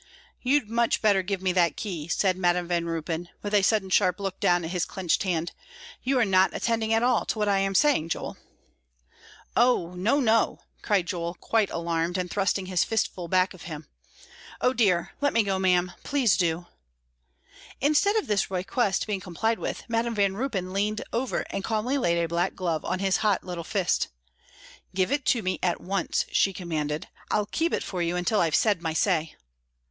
"You'd much better give me that key," said Madam Van Ruypen, with a sudden sharp look down at his clenched hand; "you are not attending at all to what I am saying, Joel." "Oh, no, no," cried Joel, quite alarmed, and thrusting his fistful back of him. "O dear! Let me go, ma'am, please do!" Instead of this request being complied with, Madam Van Ruypen leaned over and calmly laid a black glove on his hot little fist. "Give it to me at once," she commanded; "I'll keep it for you until I've said my say."